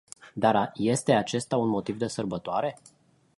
Dar este acesta un motiv de sărbătoare?